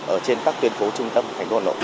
ở trên các tuyên phố trung tâm thành phố hồ nội